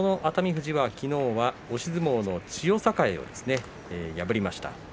富士は昨日、押し相撲の千代栄を破りました。